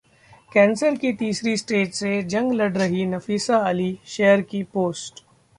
cancer की तीसरी stage से जंग लड़ रहीं नफीसा अली, शेयर की पोस्ट